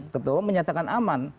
ketua umum menyatakan aman